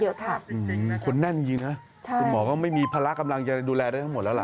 จริงนะครับคนนั่นจริงนะคุณหมอก็ไม่มีพละกำลังจะดูแลได้ทั้งหมดแล้วล่ะ